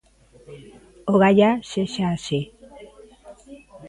Ogallá sexa así...